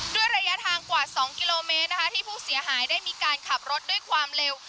ด้วยระยะทางกว่า๒กิโลเมตรนะคะที่ผู้เสียหายได้มีการขับรถด้วยความเร็ว